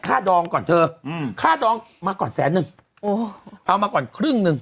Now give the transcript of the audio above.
ดองก่อนเธออืมค่าดองมาก่อนแสนนึงโอ้เอามาก่อนครึ่งหนึ่ง